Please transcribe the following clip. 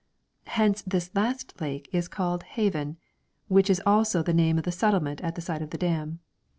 Hence this last lake is called Haven, which is also the name of the settlement at the side of the dam.